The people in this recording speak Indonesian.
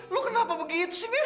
lo kenapa begitu sih